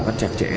các trạc trễ